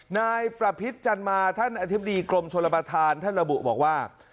นายประพิษจันมาท่านอธิบดีกรมชนประธานท่านระบุบอกว่า